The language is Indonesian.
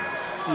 di setiap dunia